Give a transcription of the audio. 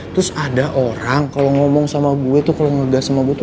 terus ada orang kalau ngomong sama gue tuh kalau ngegas sama gue tuh